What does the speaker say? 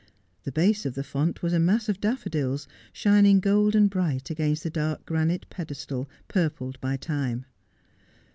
The base of the font was a mass of daffodils, shining golden bright against the dark granite pedestal, purpled by time.